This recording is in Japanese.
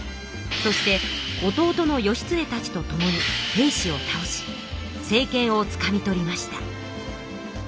そして弟の義経たちとともに平氏を倒し政権をつかみ取りました。